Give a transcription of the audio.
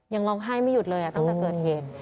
ยังร้องไห้ไม่หยุดเลยตั้งแต่เกิดเหตุ